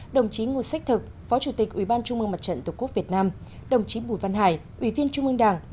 đồng chí ngô sách thực phó chủ tịch ủy ban trung mương mặt trận tổ quốc việt nam